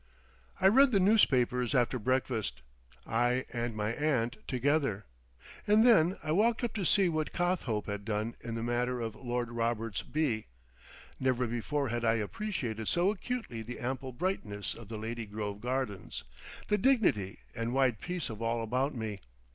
I read the newspapers after breakfast—I and my aunt together—and then I walked up to see what Cothope had done in the matter of Lord Roberts β. Never before had I appreciated so acutely the ample brightness of the Lady Grove gardens, the dignity and wide peace of all about me.